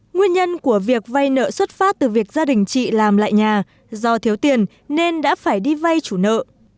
nguyên nhân của việc vay nợ xuất phát từ việc gia đình chị làm lại nhà do thiếu tiền nên đã phải đi vay chủ nợ